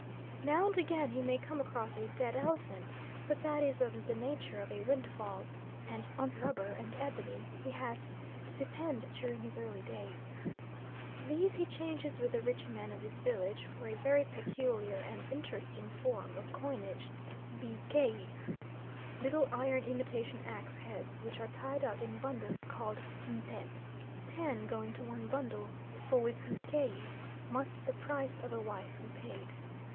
Now and again he may come across a dead elephant, but that is of the nature of a windfall; and on rubber and ebony he has to depend during his early days. These he changes with the rich men of his village for a very peculiar and interesting form of coinage bikei little iron imitation axe heads which are tied up in bundles called ntet, ten going to one bundle, for with bikei must the price of a wife be paid.